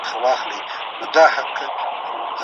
د قرآن کريم علم د انسان کومي اړتياوي پوره کوي؟